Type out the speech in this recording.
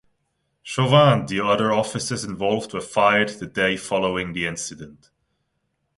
Chauvin and the other officers involved were fired the day following the incident.